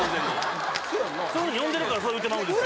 そういう風に呼んでるからそう言うてまうんですよ